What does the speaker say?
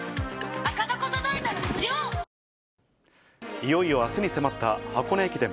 いよいよあすに迫った箱根駅伝。